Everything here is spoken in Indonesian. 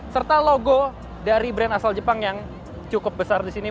serta logo dari brand asal jepang yang cukup besar di sini